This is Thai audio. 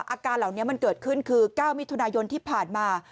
อาการเหล่านี้มันเกิดขึ้นคือ๙มิถุนายนที่ผ่านมา